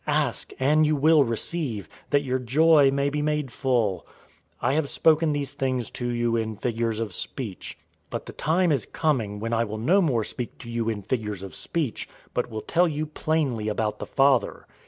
Ask, and you will receive, that your joy may be made full. 016:025 I have spoken these things to you in figures of speech. But the time is coming when I will no more speak to you in figures of speech, but will tell you plainly about the Father.